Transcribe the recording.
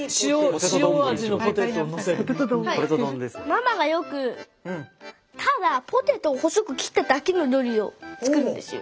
ママがよくただポテトを細く切っただけの料理を作るんですよ。